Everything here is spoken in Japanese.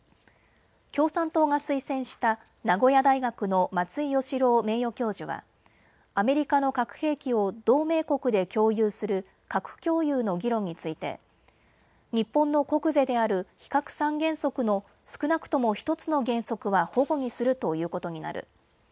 共産党が推薦した名古屋大学の松井芳郎名誉教授はアメリカの核兵器を同盟国で共有する核共有の議論について日本の国是である非核三原則の少なくとも１つの原則はほごにするということになる。